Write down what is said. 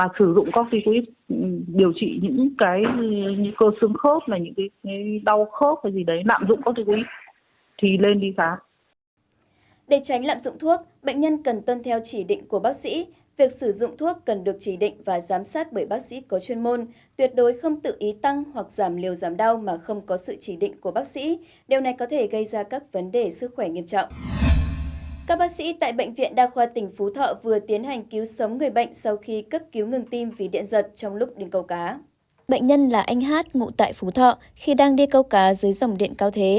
trường khoa một nguyễn thị ẩng loan trường khoa nội tiết bệnh viện tuyển tĩnh cho biết